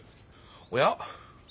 おや？